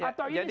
nah jadi jadi